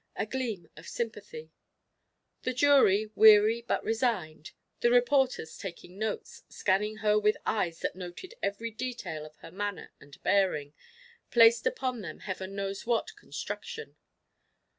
a gleam of sympathy; the jury weary but resigned, the reporters taking notes, scanning her with eyes that noted every detail of her manner and bearing, placed upon them Heaven knows what construction!